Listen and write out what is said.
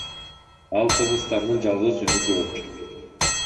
Ал Кыргызстандын жалгыз үмүтү болчу.